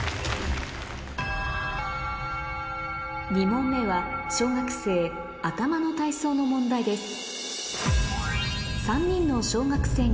２問目は小学生頭の体操の問題です